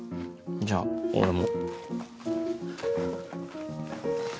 じゃあ僕も。